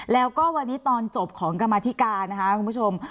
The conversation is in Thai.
แล้วก็วันนี้ตอนจบของกรรมธิการนะคะคุณผู้ชม